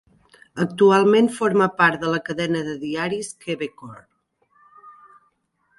Actualment forma part de la cadena de diaris Quebecor.